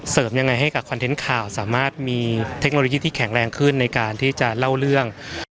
สามารถมีเทคโนโลยีที่แข็งแรงขึ้นในการที่จะเล่าเรื่อง